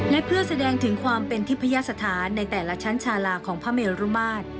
และเพื่อแสดงถึงความเป็นทิพยาสถานในแต่ละชั้นชาลาของพระเมรุมาตร